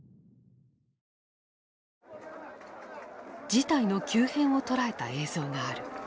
事態の急変を捉えた映像がある。